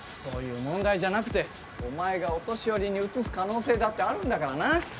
そういう問題じゃなくてお前がお年寄りにうつす可能性だってあるんだからな。